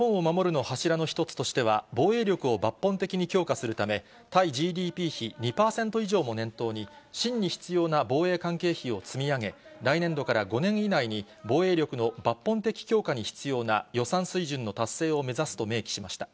の柱の一つとしては、防衛力を抜本的に強化するため、対ＧＤＰ比２％以上も念頭に、真に必要な防衛関係費を積み上げ、来年度から５年以内に、防衛力の抜本的強化に必要な予算水準の達成を目指すと明記しました。